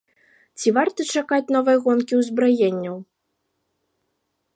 Ці варта чакаць новай гонкі ўзбраенняў?